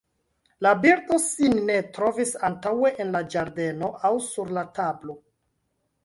La birdo sin ne trovis antaŭe en la ĝardeno aŭ sur la tablo.